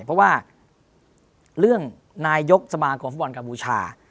เพราะว่าเรื่องนายยกสมากรของฟุตบอลกาบูชา